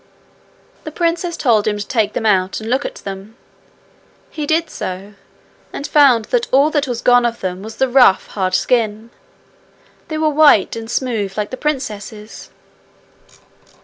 The princess told him to take them out and look at them. He did so, and found that all that was gone of them was the rough, hard skin; they were white and smooth like the princess's.